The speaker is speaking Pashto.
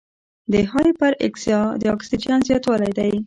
د هایپراکسیا د اکسیجن زیاتوالی دی.